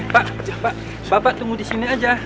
pak bapak tunggu di sini aja